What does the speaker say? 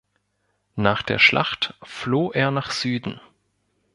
Nach der Schlacht floh er nach Süden.